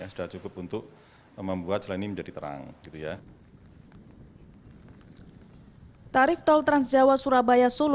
sudah cukup untuk membuat jalan ini mencapai